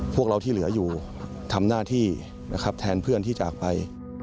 พวกเราที่เหลืออยู่ทำหน้าที่นะครับแทนเพื่อนที่จากไป